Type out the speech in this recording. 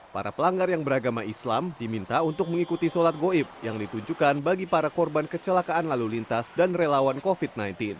para pelanggar yang beragama islam diminta untuk mengikuti sholat goib yang ditunjukkan bagi para korban kecelakaan lalu lintas dan relawan covid sembilan belas